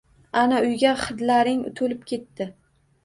Ana, uyga hidlaring to‘lib ketdi